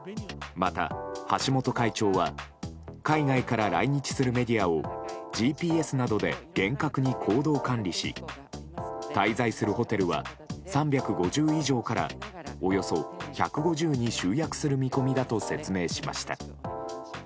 また、橋本会長は海外から来日するメディアをＧＰＳなどで厳格に行動管理し滞在するホテルは３５０以上からおよそ１５０に集約する見込みだと説明しました。